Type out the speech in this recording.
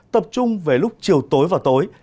tập trung về lúc chiều tối và tối